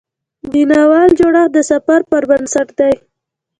د ناول جوړښت د سفر پر بنسټ دی.